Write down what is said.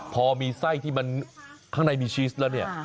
พอมีไส้ที่มันข้างในมีชีสแล้วเนี่ย